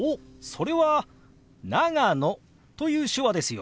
それは「長野」という手話ですよ。